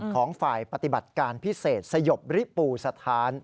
ของฝ่ายปฏิบัติการพิเศษสยบริปูสถาน